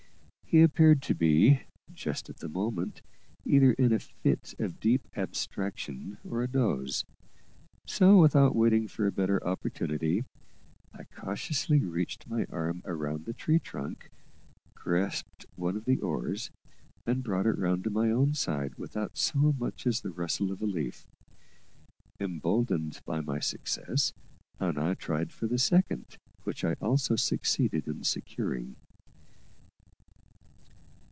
He appeared to be, just at the moment, either in a fit of deep abstraction or a doze; so, without waiting for a better opportunity, I cautiously reached my arm round the tree trunk, grasped one of the oars, and brought it round to my own side, without so much as the rustle of a leaf. Emboldened by my success, I now tried for the second, which I also succeeded in securing.